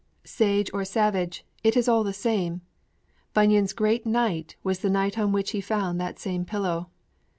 Sage or savage, it is all the same. Bunyan's great night was the night on which he found that same pillow.